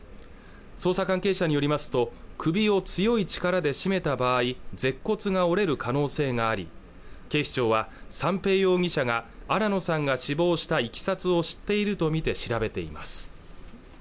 捜査関係者によりますと首を強い力で絞めた場合舌骨が折れる可能性があり警視庁は三瓶容疑者が新野さんが死亡したいきさつを知っているとみて調べています